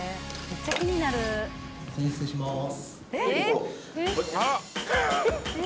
失礼します。